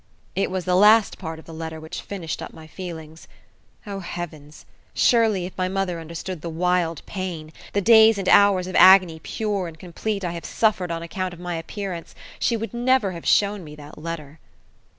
It was the last part of the letter which finished up my feelings. Oh heavens! Surely if my mother understood the wild pain, the days and hours of agony pure and complete I have suffered on account of my appearance, she would never have shown me that letter.